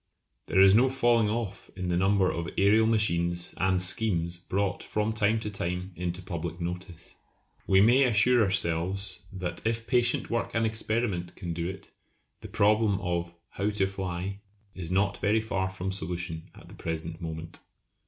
There is no falling off in the number of aërial machines and schemes brought from time to time into public notice. We may assure ourselves that if patient work and experiment can do it the problem of "how to fly" is not very far from solution at the present moment.